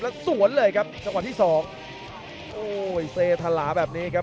แล้วสวนเลยครับจังหวะที่สองโอ้ยเซทะลาแบบนี้ครับ